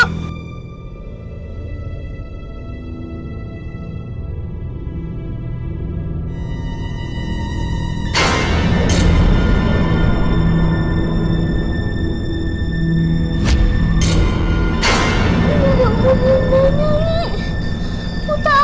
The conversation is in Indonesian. aku takut bundanya li